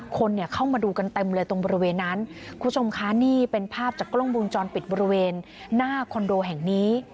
คนเนี่ยเข้ามาดูกันเต็มเลยตรงบริเวณนั้นคุณผู้ชมคะนี่เป็นภาพจากกล้องวงจรปิดบริเวณหน้าคอนโดแห่งนี้